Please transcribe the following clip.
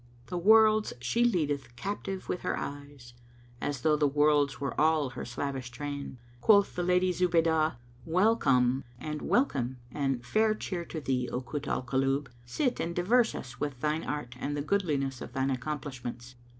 The Worlds she leadeth captive with her eyes * As tho' the Worlds were all her slavish train." Quoth the Lady Zubaydah, "Well come, and welcome and fair cheer to thee, O Kut al Kulub! Sit and divert us with thine art and the goodliness of thine accomplishments."